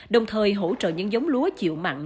đồng thời hỗ trợ những giống lúa chịu mặn